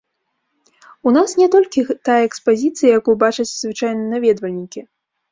У нас не толькі тая экспазіцыя, якую бачаць звычайна наведвальнікі.